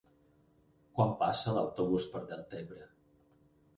Quan passa l'autobús per Deltebre?